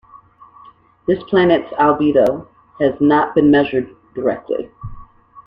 This planet's albedo has not been measured directly.